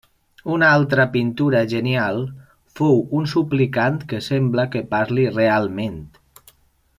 Una altra pintura genial fou un suplicant que sembla que parli realment.